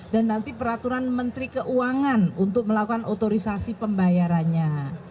dan nanti peraturan menteri keuangan untuk melakukan otorisasi pembayarannya